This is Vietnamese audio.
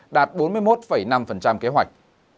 đạt bốn mươi một năm kế hoạch